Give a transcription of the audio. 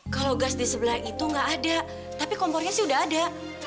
kalau gas di sebelah itu nggak ada tapi kompornya sih udah ada